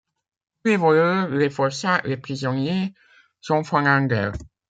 Tous les voleurs, les forçats, les prisonniers sont fanandels.